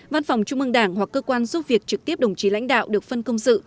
văn phòng trung ương đảng hoặc cơ quan giúp việc trực tiếp đồng chí lãnh đạo được phân công dự